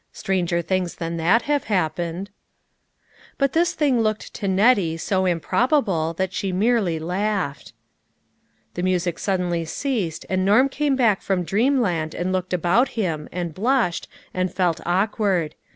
Stranger things than that have hap pened." But this thing looked to Nettie so improbable that she merely laughed. The music suddenly ceased, and Norm came back from dreamland and looked about him, and blushed, and felt awkward.